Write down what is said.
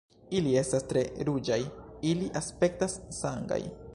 Ili estas tre ruĝaj. Ili aspektas sangaj.